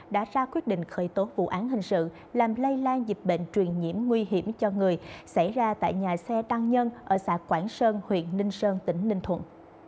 nhiễm nguy hiểm cho người xảy ra tại nhà xe đăng nhân ở xã quảng sơn huyện ninh sơn tỉnh ninh thuận